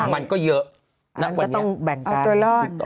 มันก็เยอะนั้นก็ต้องแบ่งกัน